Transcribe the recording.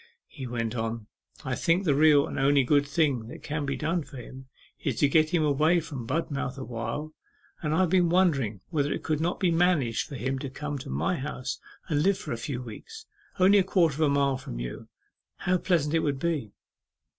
He went on, 'I think the real and only good thing that can be done for him is to get him away from Budmouth awhile; and I have been wondering whether it could not be managed for him to come to my house to live for a few weeks. Only a quarter of a mile from you. How pleasant it would be!